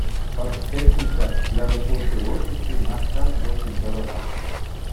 Орхтехніка для роботи в офісі у наш час досить дорога